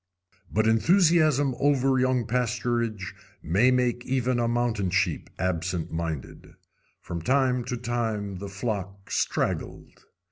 But enthusiasm over young pasturage may make even a mountain sheep absent minded. From time to time the flock straggled.